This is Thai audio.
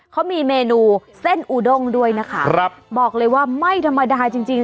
เขามีเมนูเส้นอูด้งด้วยนะคะครับบอกเลยว่าไม่ธรรมดาจริงจริง